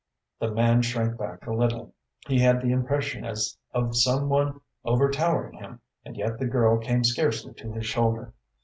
The man shrank back a little, he had the impression as of some one overtowering him, and yet the girl came scarcely to his shoulder.